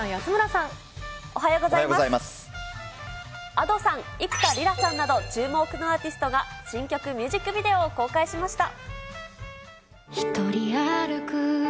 Ａｄｏさん、幾田りらさんなど、注目のアーティストが、新曲ミュージックビデオを公開しました。